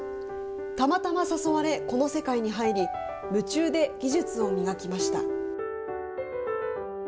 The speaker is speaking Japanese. たまたま誘われこの世界に入り夢中で技術を磨きました。